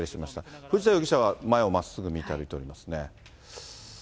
藤田容疑者は前をまっすぐ見て歩いておりますね。